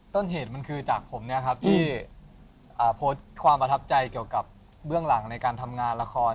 ต้นเหตุมันคือจากผมที่โพสต์ความประทับใจเกี่ยวกับเบื้องหลังในการทำงานละคร